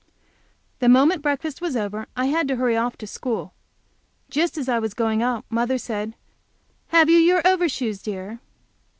The moment breakfast was over I had to hurry off to school. Just as I was going out mother said, "Have you your overshoes, dear?"